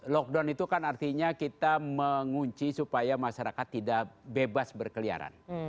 lockdown itu kan artinya kita mengunci supaya masyarakat tidak bebas berkeliaran